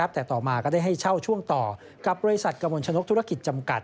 แต่ต่อมาก็ได้ให้เช่าช่วงต่อกับบริษัทกระมวลชนกธุรกิจจำกัด